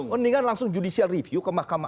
mendingan langsung judicial review ke mahkamah